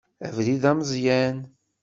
Abrid ameẓyan.